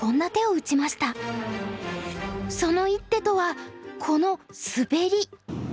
その一手とはこのスベリ。